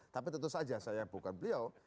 tapi tentu saja saya bukan beliau